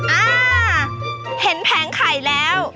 อ่าเห็นแผงไข่แล้ว